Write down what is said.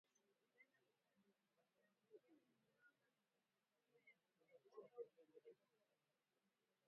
Uganda kuchangamkia fursa mpya za kibiashara Jamuhuri ya Demokrasia ya Kongo